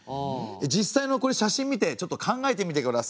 実際のこれ写真見てちょっと考えてみてください。